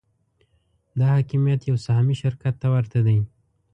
دا حاکمیت یو سهامي شرکت ته ورته دی.